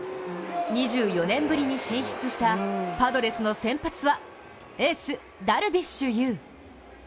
２４年ぶりに進出した、パドレスの先発はエース・ダルビッシュ有。